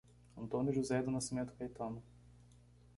Antônio José do Nascimento Caetano